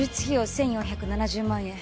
１４７０万円